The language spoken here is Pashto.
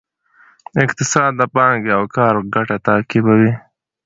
اقتصاد د پانګې او کار ګټه تعقیبوي.